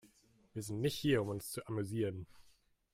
Wir sind nicht hier, um uns zu amüsieren.